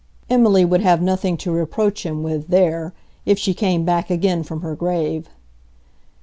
Emily would have nothing to reproach him with there, if she came back again from her grave.